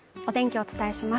お伝えします